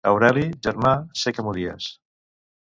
Aureli, germà, sé que m'odies.